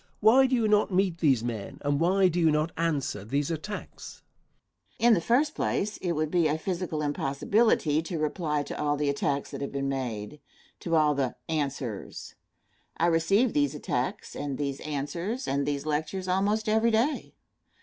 Why do you not meet these men, and why do you not answer these attacks? Answer. In the first place, it would be a physical impossibility to reply to all the attacks that have been made to all the "answers." I receive these attacks, and these answers, and these lectures almost every day.